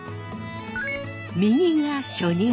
右が初乳。